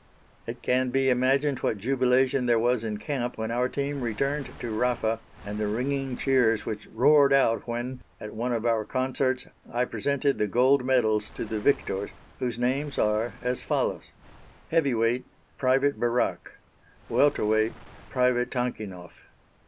It can be imagined what jubilation there was in camp when our team returned to Rafa, and the ringing cheers which roared out when, at one of our concerts, I presented the gold medals to the victors, whose names are as follows: Heavy weight Private Burack. Welter weight Private Tankinoff.